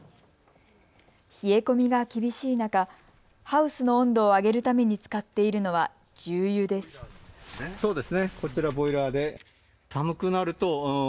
冷え込みが厳しい中、ハウスの温度を上げるために使っているのは重油です。